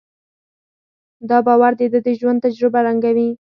دا باور د ده د ژوند تجربه رنګوي.